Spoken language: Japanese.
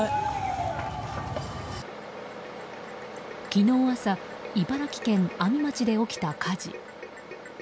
昨日朝茨城県阿見町で起きた火事。